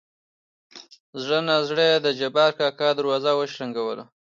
زړه نازړه يې د جبار کاکا دروازه وشرنګه وه.